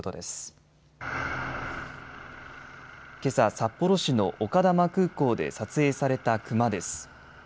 札幌市の丘珠空港で撮影されたクマです。